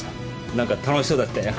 なんか楽しそうだったよ。